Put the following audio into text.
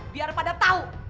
biar pada tau